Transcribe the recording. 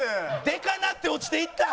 でかなって落ちていった。